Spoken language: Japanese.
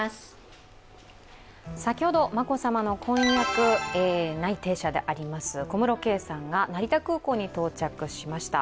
先ほど眞子さまの婚約内定者であります小室圭さんが成田空港に到着しました。